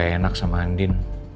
aku juga gak enak sama andin